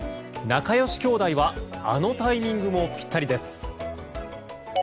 仲良し兄弟はあのタイミングもぴったりです。